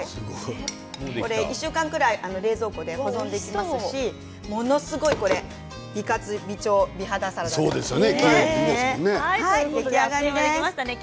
１週間ぐらい冷蔵庫で保存できますしものすごく美活美肌美腸サラダです。